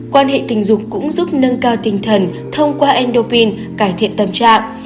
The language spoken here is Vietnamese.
quan hệ tình dục cũng giúp nâng cao tinh thần thông qua endopine cải thiện tâm trạng